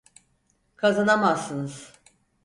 Kazanamazsınız.